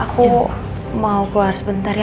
aku mau keluar sebentar ya